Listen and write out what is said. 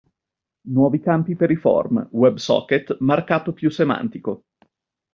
Nuovi campi per i form, WebSocket, markup più semantico.